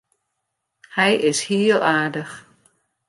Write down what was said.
Hy is hiel aardich.